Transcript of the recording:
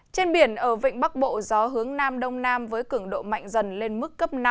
trên biển ở vịnh bắc bộ gió hướng nam đông nam với cứng độ mạnh dần lên mức cấp năm